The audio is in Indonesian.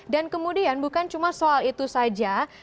dan kemudian bukan cuma soal itu saja